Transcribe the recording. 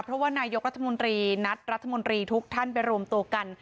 เพราะว่านายกรัฐมนตรีนัดรัฐมนตรีทุกท่านไปรวมตัวกัน